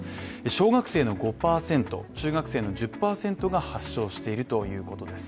小学生の５％、中学生の１０％が発症しているということです。